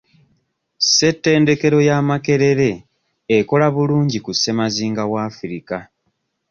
Ssettendekero ya Makerere ekola bulungi ku ssemazinga wa Africa.